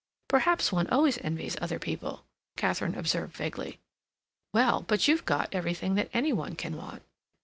"Perhaps one always envies other people," Katharine observed vaguely. "Well, but you've got everything that any one can want."